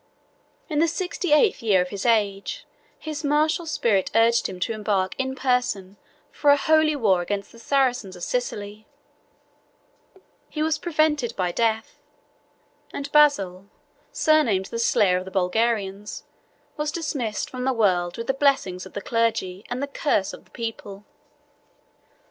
In the sixty eighth year of his age, his martial spirit urged him to embark in person for a holy war against the Saracens of Sicily; he was prevented by death, and Basil, surnamed the Slayer of the Bulgarians, was dismissed from the world with the blessings of the clergy and the curse of the people.